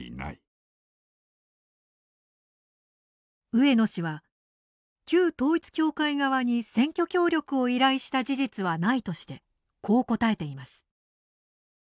上野氏は、旧統一教会側に選挙協力を依頼した事実はないとしてこう答えています。